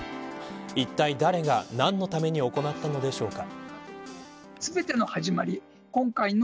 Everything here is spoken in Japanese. いったい誰が何のために行ったのでしょうか。